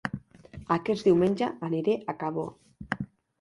Aquest diumenge aniré a Cabó